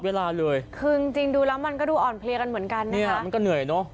เวลาเลยคือจริงจริงดูแล้วมันก็ดูอ่อนเพลียกันเหมือนกันนะเนี่ยมันก็เหนื่อยเนอะ